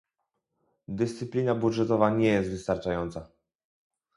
Dyscyplina budżetowa nie jest wystarczająca